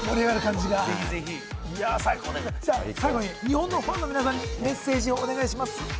最後に日本のファンの皆さんにメッセージをお願いします。